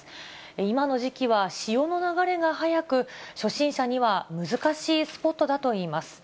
今の時期は潮の流れが速く、初心者には難しいスポットだといいます。